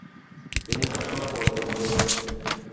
তিনি সবসময় বলতেন যে: